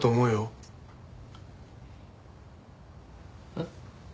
えっ？